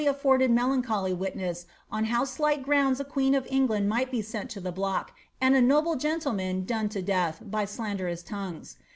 afforded melancholy witness on how slight grounds a queen of England might be sent to the block, and a noble gentleman ^done to death" bv slanderous tongues.